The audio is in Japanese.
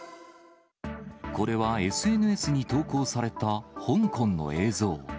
これはＳＮＳに投稿された香港の映像。